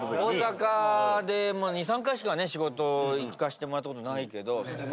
大阪で２３回しか仕事行かしてもらったことないけど。